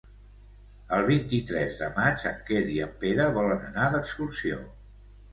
El vint-i-tres de maig en Quer i en Pere volen anar d'excursió.